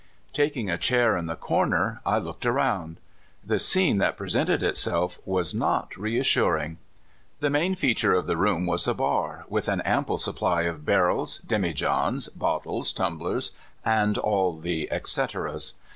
Taking a chair in the corner, I looked around. The scene that presented itself was not reassuring. The main feature of the room was a bar, with an 13 194 CALIFORNIA SKETCHES. ample supply of barrels, demijohns, bottles, tum blers, and all the et cceteras.